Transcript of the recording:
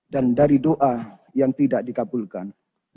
dan dari doa yang tidak dikabulkan